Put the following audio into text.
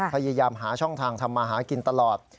พยายามหาช่องทางทำมาหากินตลอด